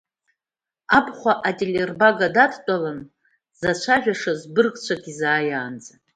Абхәа ателербага дадтәалан, дзацәажәашаз быргцәак изааиаанӡа.